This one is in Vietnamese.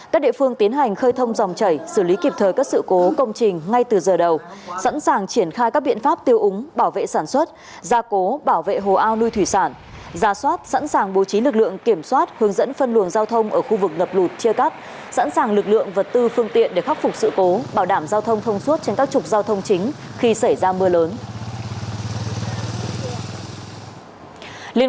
các địa phương tiến hành khơi thông dòng chảy xử lý kịp thời các sự cố công trình ngay từ giờ đầu sẵn sàng triển khai các biện pháp tiêu úng bảo vệ sản xuất gia cố bảo vệ hồ ao nuôi thủy sản giả soát sẵn sàng bố trí lực lượng kiểm soát hướng dẫn phân luồng giao thông ở khu vực ngập lụt chia cắt sẵn sàng lực lượng vật tư phương tiện để khắc phục sự cố bảo đảm giao thông thông suốt trên các trục giao thông chính khi xảy ra mưa lớn